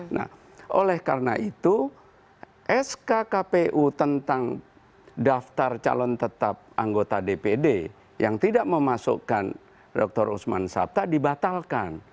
nah oleh karena itu sk kpu tentang daftar calon tetap anggota dpd yang tidak memasukkan dr usman sabta dibatalkan